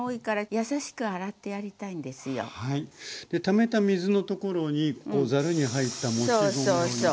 ためた水のところにざるに入ったもち米を入れて。